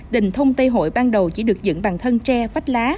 đình thông tây hội ban đầu chỉ được dựng bằng thân tre vách lá